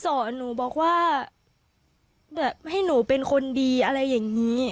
เป็นคนดีค่ะก็สอนหนูบอกว่าแบบให้หนูเป็นคนดีอะไรอย่างงี้